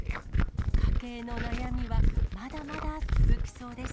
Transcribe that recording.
家計の悩みはまだまだ続きそうです。